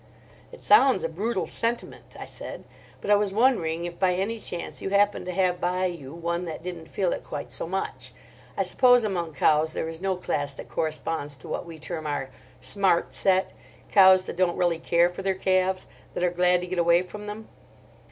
"It sounds a brutal sentiment," I said, "but I was wondering if by any chance you happened to have by you one that didn't feel it quite so much. I suppose among cows there is no class that corresponds to what we term our 'Smart Set'—cows that don't really care for their calves, that are glad to get away from them?"